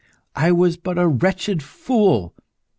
I was but a wretched fool.